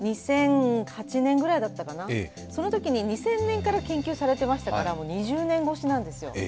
２００８年ぐらいだったかな、そのときに２０００年から研究されてましたから、もう２０年越しなんですよ。